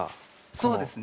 そうですね。